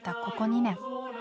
ここ２年。